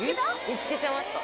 見つけちゃいました。